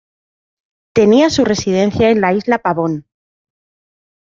Tenía su residencia en la isla Pavón.